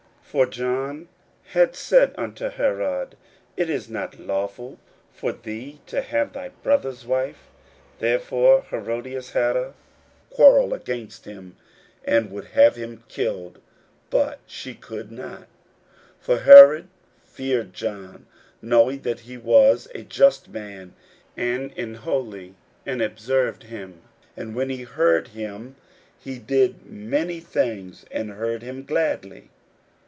41:006:018 For John had said unto Herod, It is not lawful for thee to have thy brother's wife. 41:006:019 Therefore Herodias had a quarrel against him, and would have killed him; but she could not: 41:006:020 For Herod feared John, knowing that he was a just man and an holy, and observed him; and when he heard him, he did many things, and heard him gladly.